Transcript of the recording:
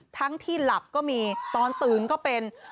ทั้งที่หลับก็มีตอนตื่นก็เป็น